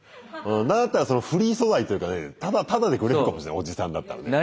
なんだったらフリー素材というかねタダでくれるかもしれないおじさんだったらね。